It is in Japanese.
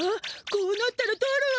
こうなったらとるわ！